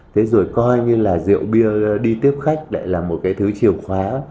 thế rồi coi như là rượu bia đi tiếp khách lại là một cái thứ chìa khóa